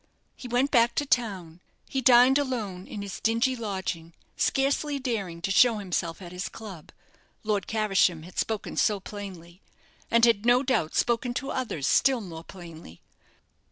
He went back to town. He dined alone in his dingy lodging, scarcely daring to show himself at his club Lord Caversham had spoken so plainly; and had, no doubt, spoken to others still more plainly.